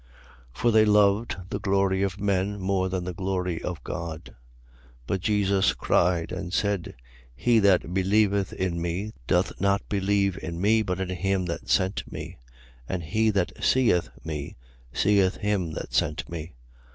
12:43. For they loved the glory of men more than the glory of God. 12:44. But Jesus cried and said: He that believeth in me doth not believe in me, but in him that sent me. 12:45. And he that seeth me, seeth him that sent me.